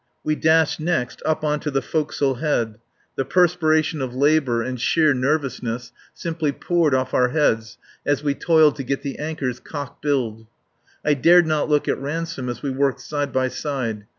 We dashed next up on to the forecastle head. The perspiration of labour and sheer nervousness simply poured off our heads as we toiled to get the anchors cock billed. I dared not look at Ransome as we worked side by side.